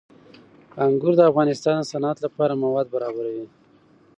انګور د افغانستان د صنعت لپاره مواد برابروي.